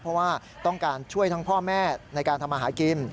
เพราะว่าต้องการช่วยทั้งพ่อแม่ในการทำอาหารกิน